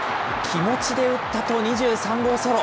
気持ちで打ったと２３号ソロ。